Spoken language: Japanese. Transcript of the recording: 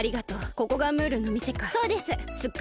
ここがムールのみせか。